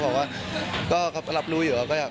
เขาบอกว่าก็รับรู้อยู่แล้วก็แบบ